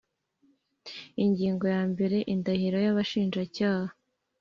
Ingingo ya mbere Indahiro y Abashinjacyaha